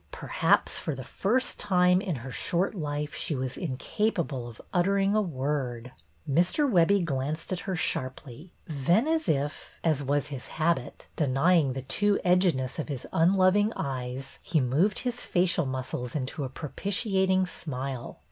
Perhaps for the first time in her short life she was inca pable of uttering a word. Mr. Webbie glanced at her sharply, then as if, as was his habit, denying the two edgedness of his unloving eyes, he moved his facial muscles into a propitiating smile.